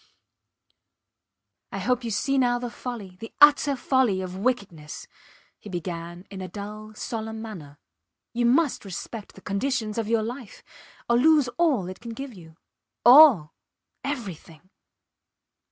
I hope you see now the folly the utter folly of wickedness, he began in a dull, solemn manner. You must respect the conditions of your life or lose all it can give you. All! Everything!